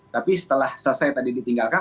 tapi setelah selesai tadi ditinggalkan